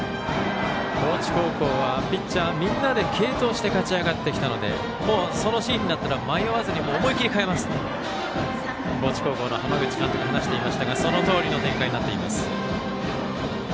高知高校はピッチャーみんなで継投して勝ち上がってきたのでそのシーンになったら迷わずに思い切り代えますと高知高校の浜口監督は話していましたがそのとおりの展開です。